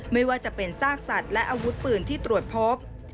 ไม่ว่าจะเป็นซากสัตว์และอาวุธปืนที่ตรวจพบ